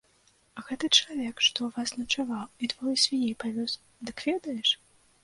А гэты чалавек, што ў вас начаваў і двое свіней павёз, дык ведаеш?